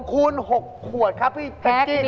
คูณ๖ขวดครับพี่เจ๊กี้ครับ